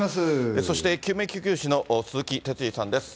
そして救命救急士の鈴木哲司さんです。